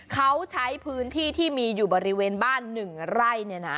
เขาใช้พื้นที่ที่มีอยู่บริเวณบ้าน๑ไร่